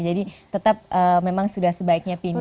jadi memang sudah sebaiknya pindah